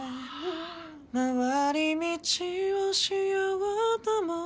回り道をしようとも